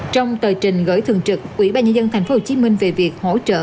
trong tờ trình gửi thường trực ubnd tp hcm về việc hỗ trợ